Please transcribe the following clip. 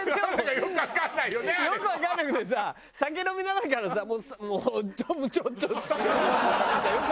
よくわかんないけどさ酒飲みながらだからさもうちょびちょびちょび。